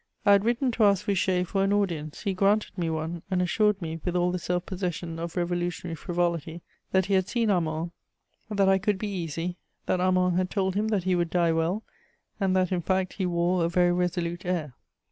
I had written to ask Fouché for an audience; he granted me one, and assured me, with all the self possession of revolutionary frivolity, "that he had seen Armand, that I could be easy: that Armand had told him that he would die well, and that in fact he wore a very resolute air."